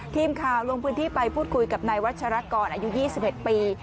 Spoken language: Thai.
ทีมข่าวลงพื้นที่ไปพูดคุยกับนายวัชรกรอายุ๒๑ปี